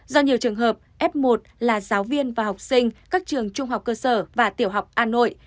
do nhiều trường hợp f một là giáo viên và học sinh các trường trung học cơ sở và tiểu học hà nội